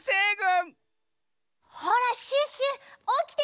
ほらシュッシュおきて！